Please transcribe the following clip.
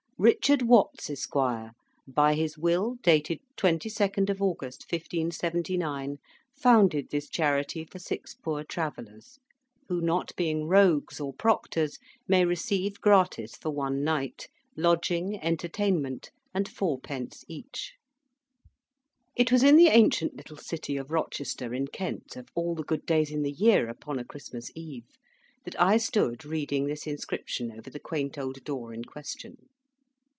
RICHARD WATTS, Esq. by his Will, dated 22 Aug. 1579, founded this Charity for Six poor Travellers, who not being ROGUES, or PROCTORS, May receive gratis for one Night, Lodging, Entertainment, and Fourpence each. It was in the ancient little city of Rochester in Kent, of all the good days in the year upon a Christmas eve, that I stood reading this inscription over the quaint old door in question.